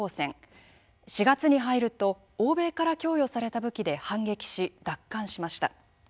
４月に入ると欧米から供与された武器で反撃し奪還しました。